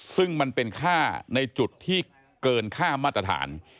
ซึ่งมันเป็นค่าในจุดที่เกินค่ามาตรฐาน